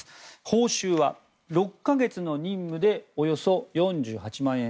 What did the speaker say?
報酬は６か月の任務でおよそ４８万円。